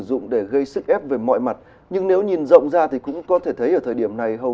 dụng để gây sức ép về mọi mặt nhưng nếu nhìn rộng ra thì cũng có thể thấy ở thời điểm này hầu